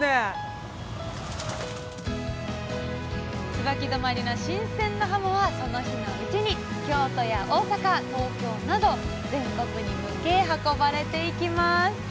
椿泊の新鮮なはもはその日のうちに京都や大阪東京など全国に向け運ばれていきます